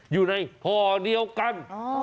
อยู่ในห่อเดียวกัน